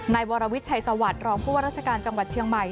นายวรวิทย์ชัยสวัสดิ์รองผู้ว่าราชการจังหวัดเชียงใหม่